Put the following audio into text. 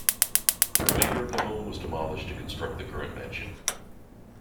The remainder of the home was demolished to construct the current mansion.